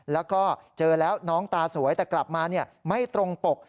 แล้วก็เจอแล้วน้องตาสวยแต่กลับมาไม่ตรงปก